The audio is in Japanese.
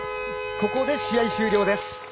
ここで試合終了です。